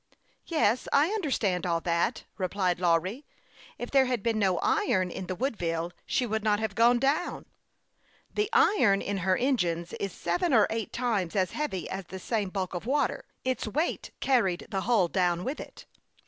" Yes, I understand all that," replied Lawry. " If there had been no iron in the Woodville she would nut have gone down. '" The iron in her engine is seven or eight times as THE YOUNG PILOT OF LAKE CHAMPLAIN. 105 heavy as the same bulk of water. Its weight carried the hull down with it."